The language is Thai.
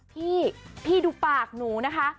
พี่พี่ดูปากหนูนะคะ